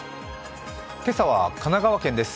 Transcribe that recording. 今朝は神奈川県です。